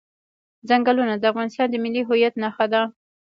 ځنګلونه د افغانستان د ملي هویت نښه ده.